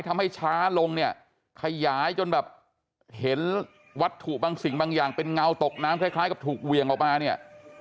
ทำให้ช้าลงเนี่ยขยายจนแบบเห็นวัตถุบางสิ่งบางอย่างเป็นเงาตกน้ำคล้ายกับถูกเหวี่ยงออกมาเนี่ย